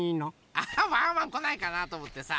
アハッ！ワンワンこないかなとおもってさ